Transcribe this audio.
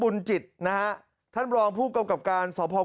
บุญจิตนะครับท่านบรองผู้กำกำการส่อมพลล์